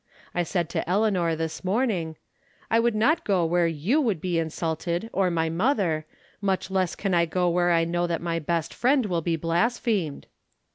I said to Eleanor, this morn ing: " I woiild not go where you would be insulted, or my mother, much less can I go where I know that my best Friend will be blasphemed."